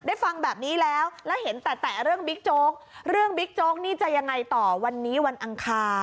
ฟังแบบนี้แล้วแล้วเห็นแต่แต่เรื่องบิ๊กโจ๊กเรื่องบิ๊กโจ๊กนี่จะยังไงต่อวันนี้วันอังคาร